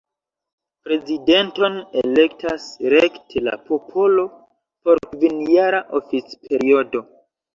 Prezidenton elektas rekte la popolo por kvinjara oficperiodo.